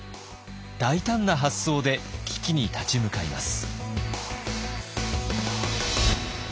大胆な発想で危機に立ち向かいます。